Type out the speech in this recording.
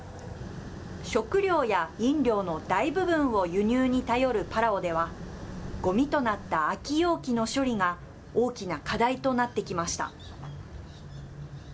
食料や飲料の大部分を輸入に頼るパラオでは、ごみとなった空き容器の処理が、大きな課題となってきました。